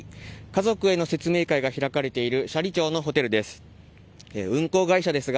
家族への説明会が開かれている斜里町のホテルです。